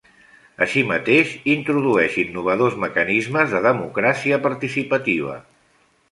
Així mateix introdueix innovadors mecanismes de democràcia participativa.